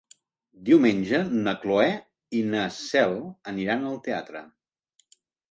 Diumenge na Cloè i na Cel aniran al teatre.